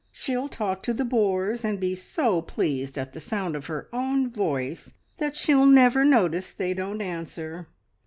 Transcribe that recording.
She'll talk to the bores, and be so pleased at the sound of her own voice that she'll never notice they don't answer.